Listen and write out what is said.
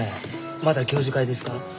また教授会ですか？